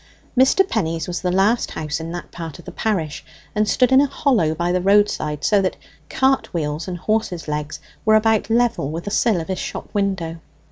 Mr. Penny's was the last house in that part of the parish, and stood in a hollow by the roadside so that cart wheels and horses' legs were about level with the sill of his shop window.